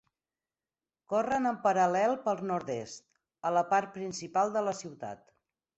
Corren en paral·lel pel nord-est, a la part principal de la ciutat.